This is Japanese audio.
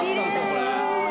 これ。